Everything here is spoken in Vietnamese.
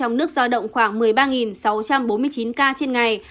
trong nước giao động khoảng một mươi ba sáu trăm bốn mươi chín ca trên ngày